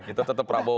kita tetap prabowo